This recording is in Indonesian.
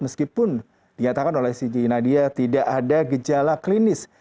meskipun dikatakan oleh si j nadia tidak ada gejala klinis